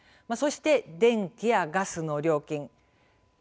そして電気やガスの料金。